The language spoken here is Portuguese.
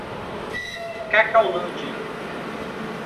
Cacaulândia